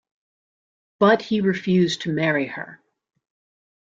But he refused to marry her.